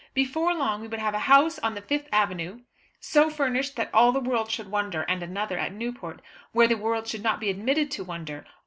Before long we would have a house on the Fifth Avenue so furnished that all the world should wonder; and another at Newport, where the world should not be admitted to wonder.